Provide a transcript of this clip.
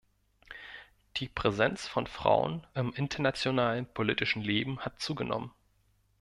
Die Präsenz von Frauen im internationalen politischen Leben hat zugenommen.